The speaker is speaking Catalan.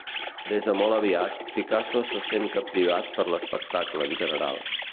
Des de molt aviat, Picasso se sent captivat per l'espectacle en general.